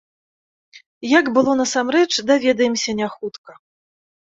Як было насамрэч, даведаемся, не хутка.